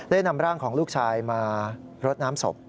นำร่างของลูกชายมารดน้ำศพ